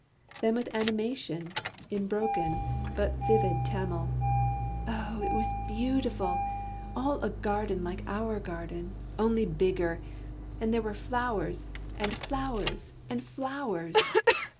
Then with animation, in broken but vivid Tamil: "Oh, it was beautiful! all a garden like our garden, only bigger, and there were flowers and flowers and flowers!"